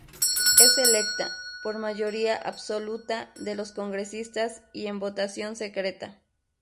Es electa, por mayoría absoluta de los congresistas, y en votación secreta.